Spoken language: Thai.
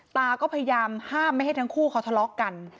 ตาก็พยายามห้ามไม่ให้ทั้งคู่เขาทะเลาะกัน